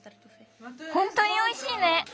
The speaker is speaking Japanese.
ほんとにおいしいね。